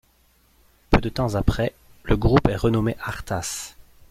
Peu de temps après, le groupe est renommé Artas.